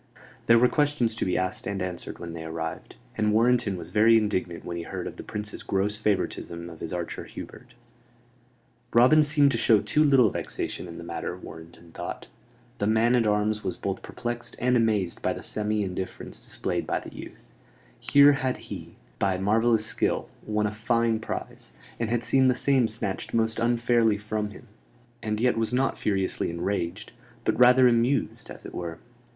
There were questions to be asked and answered when they arrived; and Warrenton was very indignant when he heard of the Prince's gross favoritism of his archer Hubert. Robin seemed to show too little vexation in the matter, Warrenton thought. The man at arms was both perplexed and amazed by the semi indifference displayed by the youth: here had he, by marvellous skill, won a fine prize, and had seen the same snatched most unfairly from him, and yet was not furiously enraged; but rather amused, as it were.